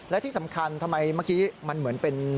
และที่สำคัญทำไมเมื่อกี้มันเหมือนเป็น